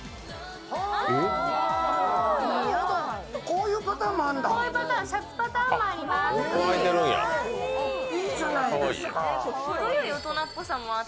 こういうパターンもあるんや！